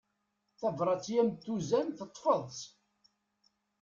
Tabrat i am-d-tuzen teṭṭfeḍ-tt.